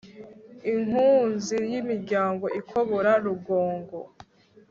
inkunzi y'imiryango ikobora rugongo